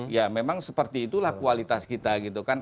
ya memang seperti itulah kualitas kita gitu kan